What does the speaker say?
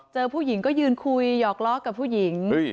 ผู้หญิงก็ยืนคุยหยอกล้อกับผู้หญิง